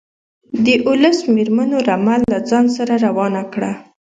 د اوولس مېرمنو رمه له ځان سره روانه کړه.